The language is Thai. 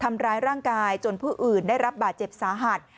ทำร้ายร่างกายจนผู้อื่นได้รับบาดเจ็บสาหัส